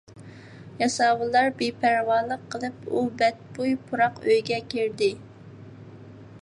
ياساۋۇللار بىپەرۋالىق قىلىپ، ئۇ بەتبۇي پۇراق ئۆيگە كىردى.